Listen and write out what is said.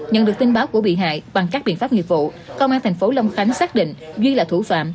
nhận được tin báo của bị hại bằng các biện pháp nghiệp vụ công an thành phố long khánh xác định duy là thủ phạm